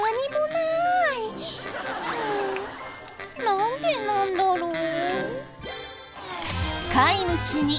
なんでなんだろう。